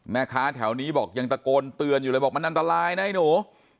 แม่ค้าแถวนี้บอกยังตะโกนเตือนอยู่เลยบอกมันอันตรายนะไอ้หนู